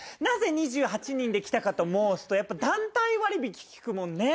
なぜ２８人で来たかと申すとやっぱ団体割引利くもんね。